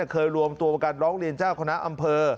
เคยรวมตัวประกันร้องเรียนเจ้าคณะอำเภอ